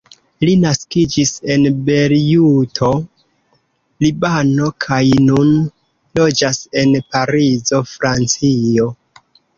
Li naskiĝis en Bejruto, Libano, kaj nun loĝas en Parizo, Francio.